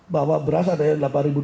bahwa beras ada delapan dua ratus